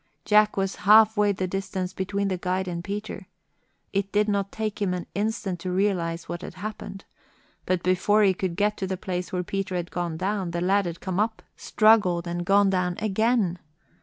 Jack was half way the distance between the guide and Peter. It did not take him an instant to realize what had happened. But before he could get to the place where Peter had gone down, the lad had come up, struggled, and gone down again.